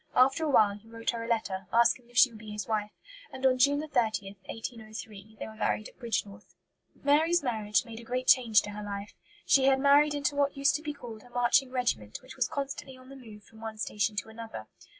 After a while he wrote her a letter, asking if she would be his wife; and on June 30, 1803, they were married at Bridgnorth. Mary's marriage made a great change in her life. She had married into what used to be called a "marching regiment," which was constantly on the move from one station to another.